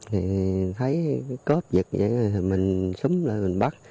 thì thấy cốp giật vậy thì mình súng lại mình bắt